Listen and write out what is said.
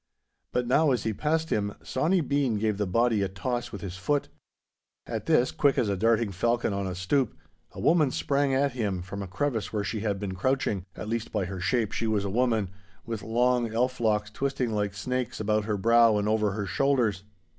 But now, as he passed him, Sawny Bean gave the body a toss with his foot. At this, quick as a darting falcon on the stoop, a woman sprang at him from, a crevice where she had been crouching—at least by her shape she was a woman, with long elf locks twisting like snakes about her brow and over her shoulders.